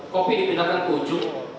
kopi dipindahkan ke ujung